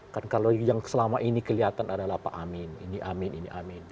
kan kalau yang selama ini kelihatan adalah pak amin ini amin ini amin